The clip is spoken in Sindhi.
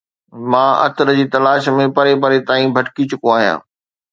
مان عطر جي تلاش ۾ پري پري تائين ڀٽڪي چڪو آهيان